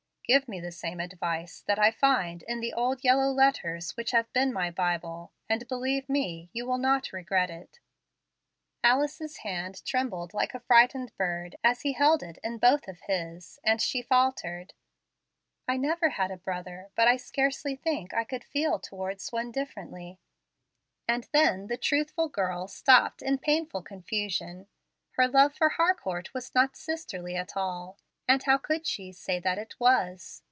Give me the same advice that I find in the old yellow letters which have been my Bible, and, believe me, you will not regret it." Alice's hand trembled like a frightened bird as he held it in both of his, and she faltered, "I never had a brother, but I scarcely think I could feel towards one differently " and then the truthful girl stopped in painful confusion. Her love for Harcourt was not sisterly at all, and how could she say that it was?